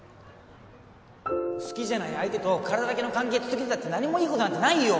好きじゃない相手と体だけの関係続けてたって何もいいことなんてないよ。